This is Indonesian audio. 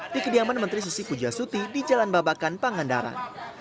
di kediaman menteri susi pujasuti di jalan babakan pangandaran